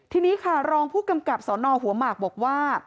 ทีนี้ค่ะรองผู้กำกับสนหัวหมากบอกว่า